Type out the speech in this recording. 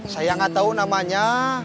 saya gak tau namanya